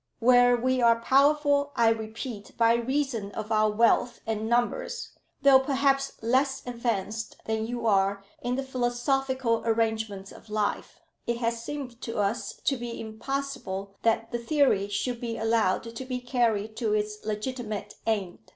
"Where we are powerful, I repeat, by reason of our wealth and numbers, though perhaps less advanced than you are in the philosophical arrangements of life, it has seemed to us to be impossible that the theory should be allowed to be carried to its legitimate end.